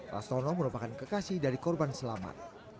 rastono merupakan kekasih dari korban selamat